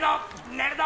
寝るぞ！